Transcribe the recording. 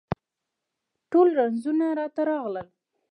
ټول رنځونه راته راغلل